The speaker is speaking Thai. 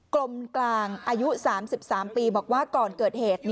กลมกลางอายุ๓๓ปีบอกว่าก่อนเกิดเหตุ